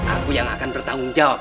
aku yang akan bertanggung jawab